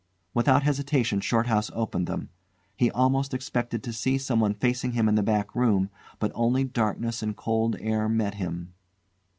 Without hesitation Shorthouse opened them. He almost expected to see someone facing him in the back room; but only darkness and cold air met him.